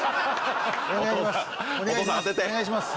お願いします。